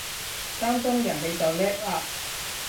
擔心人你就叻喇！